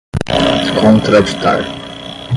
contraditar